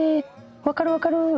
「分かる分かる」。